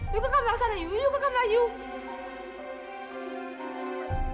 yuk ke kamar sana yuk ke kamar yuk